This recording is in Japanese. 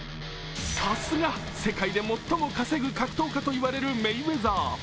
さすが世界で最も稼ぐ格闘家といわれるメイウェザー。